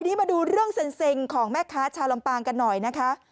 ทีนี้มาดูเรื่องเซ็งของแม่ค้าชาวลำปางกันหน่อยนะคะ